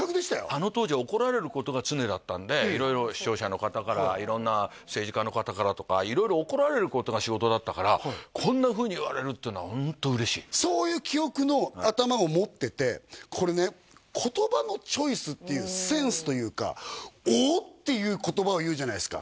あの当時怒られることが常だったんで色々視聴者の方から色んな政治家の方からとか色々怒られることが仕事だったからこんなふうに言われるっていうのはホント嬉しいそういう記憶の頭も持っててこれね言葉のチョイスっていうセンスというか「おお！」っていう言葉を言うじゃないですか